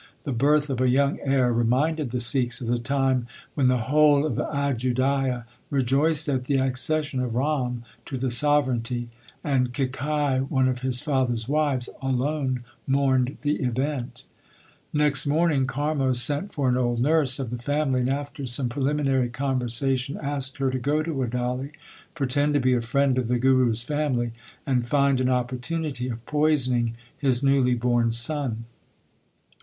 The birth of a young heir reminded the Sikhs of the time when the whole of Ajudhia rejoiced at the accession of Ram to the sovereignty, and Kekai, one of his father s wives, alone mourned the event. Next morning Karmo sent for an old nurse of the 1 Asa. 2 That is, Bhai Budha. 3 Bilawal. LIFE OF GURU ARJAN 37 family, and after some preliminary conversation asked her to go to Wadali, pretend to be a friend of the Guru s family, and find an opportunity of poisoning his newly born son.